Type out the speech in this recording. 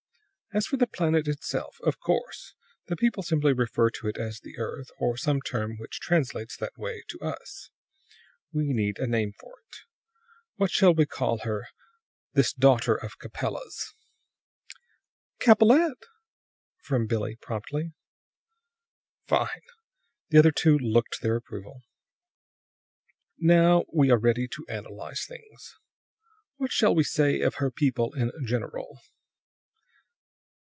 "As for the planet itself of course, the people simply refer to it as the earth, or some term which translates that way to us. We need a name for it. What shall we call her this daughter of Capella's?" "Capellette," from Billie promptly. "Fine!" The other two looked their approval. "Now, we are ready to analyze things. What shall we say of her people in general?"